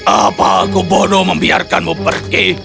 apa aku bodoh membiarkanmu pergi